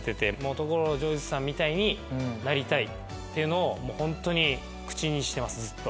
所ジョージさんみたいになりたいっていうのをもうホントに口にしてますずっと。